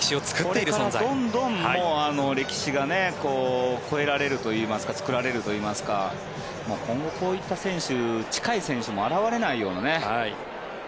これからどんどん歴史が超えられるというか作られるといいますか今後、こういった選手近い選手も現れないような。